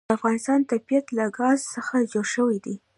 د افغانستان طبیعت له ګاز څخه جوړ شوی دی.